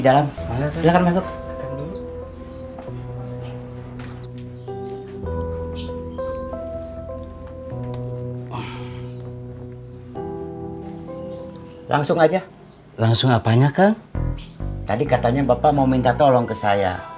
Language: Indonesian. dalam silakan masuk langsung aja langsung apanya ke tadi katanya bapak mau minta tolong ke saya